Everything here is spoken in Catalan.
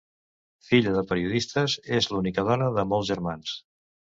Filla de periodistes, és l'única dona de molts germans.